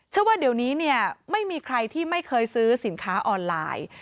ว่าเดี๋ยวนี้เนี่ยไม่มีใครที่ไม่เคยซื้อสินค้าออนไลน์